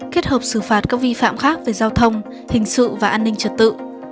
kết hợp xử phạt các vi phạm khác về giao thông hình sự và an ninh trật tự